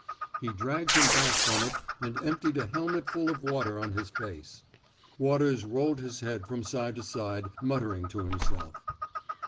He dragged him back from it and emptied a helmet full of water on his face. Waters rolled his head from side to side, muttering to himself.